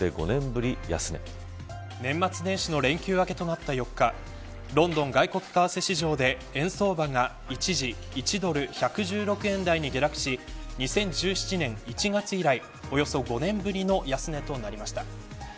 年末年始の連休明けとなった４日ロンドン外国為替市場で円相場が一時、１ドル１１６円台に下落し、２０１７年１月以来およそ５年ぶりの安値となりました。